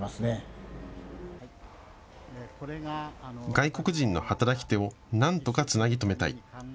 外国人の働き手をなんとかつなぎ止めたい。